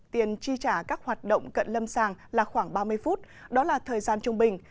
tiền chi trả các hoạt động cận lâm sàng là khoảng ba mươi phút đó là thời gian trung bình